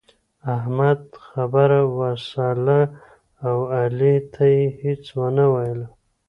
احمد خبره وسهله او علي ته يې هيڅ و نه ويل.